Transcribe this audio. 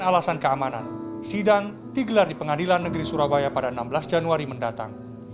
alasan keamanan sidang digelar di pengadilan negeri surabaya pada enam belas januari mendatang